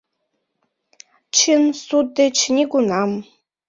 Чын суд деч нигунам.